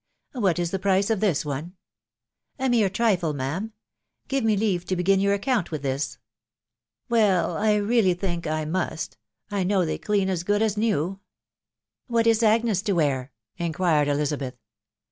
... What » the price of this one?" " A mere trifle, ma'am. .•• Give me imare ,te fogm yonr account with this." " Well, I realty think J nmt ... I kxmw thaf /ckoa as good as new. "What is Agnes to «wear ?" inquired Etiaabeth.